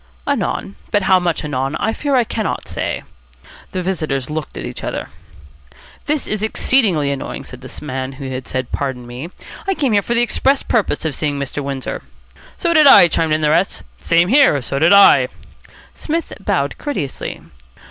"Anon. But how much anon I fear I cannot say." The visitors looked at each other. "This is exceedingly annoying," said the man who had said "Pardon me!" "I came for the express purpose of seeing Mr. Windsor." "So did I," chimed in the rest. "Same here. So did I." Psmith bowed courteously.